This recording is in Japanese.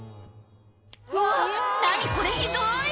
うわ何これひどい！